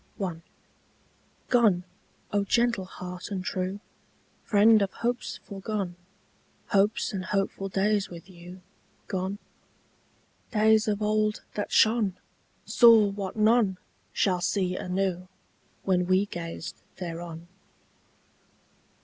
I. GONE, O gentle heart and true, Friend of hopes foregone, Hopes and hopeful days with you Gone? Days of old that shone Saw what none shall see anew, When we gazed thereon.